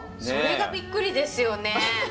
それがびっくりですよね。